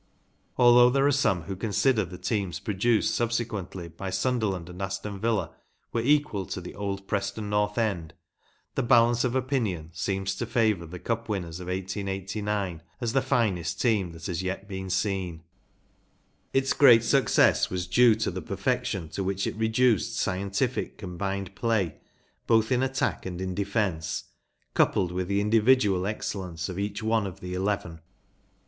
Al¬ though there are some who consider that the teams produced subsequently by Sunder¬ land and Aston Villa were equal to the old Pres¬ ton North End, the balance of opinion seems to favour the Cup winners of 1889 as the finest team that has yet been seem Its great success was due to the perfection to which it reduced scientific combined play both in attack and in defence, coupled with the individual excellence of each one of the eleven.